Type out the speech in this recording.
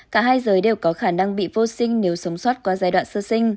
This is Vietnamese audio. cả hai giới đều có khả năng bị vô sinh nếu sống sót qua giai đoạn sơ sinh